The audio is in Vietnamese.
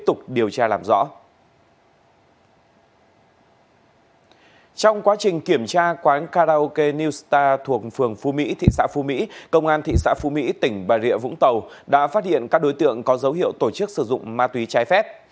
trong quá trình kiểm tra quán karaoke new star thuộc phường phu mỹ thị xã phu mỹ công an thị xã phu mỹ tỉnh bà rịa vũng tàu đã phát hiện các đối tượng có dấu hiệu tổ chức sử dụng ma túy trái phép